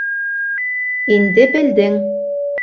Инде белдең.